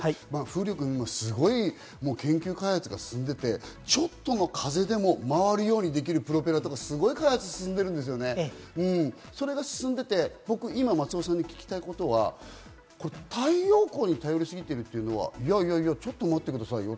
風力はすごい研究開発が進んでて、ちょっとの風でも回るようにできるプロペラとか進んでるんですよね、今、松尾さんに聞きたいことは、太陽光に頼りすぎてるっていうのはちょっと待ってくださいよ。